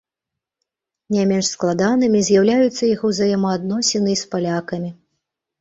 Не менш складанымі з'яўляюцца іх узаемаадносіны і з палякамі.